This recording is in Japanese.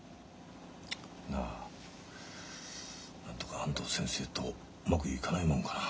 なあなんとか安藤先生とうまくいかないもんかな。